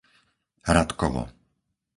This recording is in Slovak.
Ratkovo